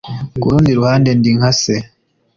kurundi ruhande ndi nka se